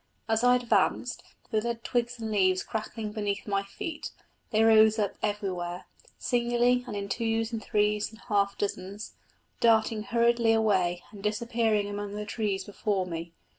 As I advanced, the dead twigs and leaves crackling beneath my feet, they rose up everywhere, singly and in twos and threes and half dozens, darting hurriedly away and disappearing among the trees before me.